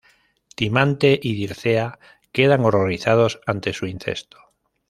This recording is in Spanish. Timante y Dircea quedan horrorizados ante su incesto.